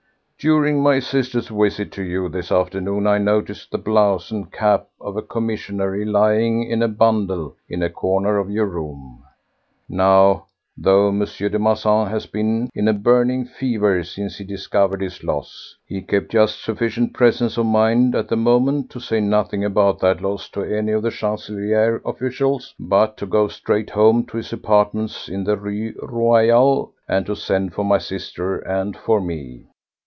During my sister's visit to you this afternoon I noticed the blouse and cap of a commissionnaire lying in a bundle in a corner of your room. Now, though M. de Marsan has been in a burning fever since he discovered his loss, he kept just sufficient presence of mind at the moment to say nothing about that loss to any of the Chancellerie officials, but to go straight home to his apartments in the Rue Royale and to send for my sister and for me.